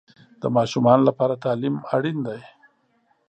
د ماشومانو لپاره تعلیم اړین دی.